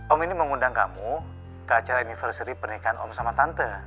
om ini mengundang kamu ke acara anniversary pernikahan om sama tante